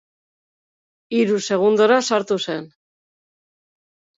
Hiru segundora sartu zen.